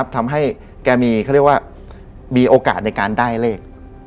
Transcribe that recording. ทำให้แกมีโอกาสในการได้เลข